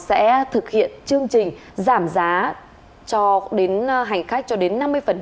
sẽ thực hiện chương trình giảm giá cho đến hành khách cho đến năm mươi